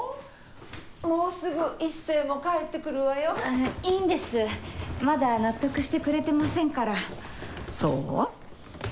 もうすぐ壱成も帰ってくるわよいいんですまだ納得してくれてませんからそう？